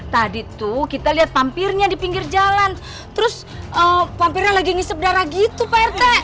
tadi tuh kita lihat pampirnya di pinggir jalan terus pampirnya lagi ngisep darah gitu prt